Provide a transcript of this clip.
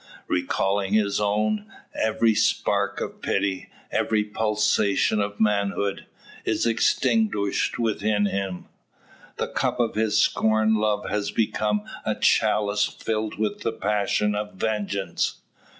Recalling his own, every spark of pity, every pulsation of manhood, is extinguished within him. The cup of his scorned love has become a chalice filled with the passion of vengeance.